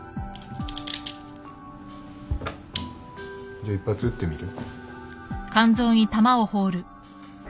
じゃあ１発撃ってみる？